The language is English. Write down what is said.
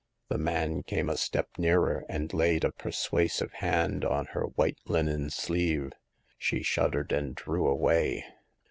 The man came a step nearer and laid a persuasive hand on her white linen sleeve. She shuddered and drew away.